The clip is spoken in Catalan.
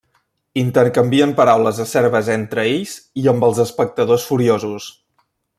Intercanvien paraules acerbes entre ells i amb els espectadors furiosos.